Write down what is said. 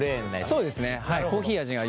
そうですねはい。